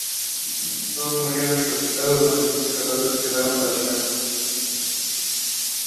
Todos murieron intoxicados, aunque siete cadáveres quedaron calcinados.